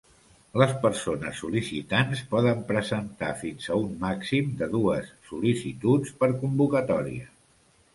Les persones sol·licitants poden presentar fins a un màxim de dues sol·licituds per convocatòria.